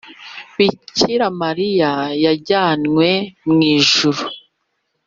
bikira mariya yajyanywe mu ijuru,